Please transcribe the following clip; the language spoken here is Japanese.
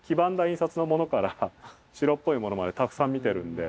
印刷のものから白っぽいものまでたくさん見てるんで。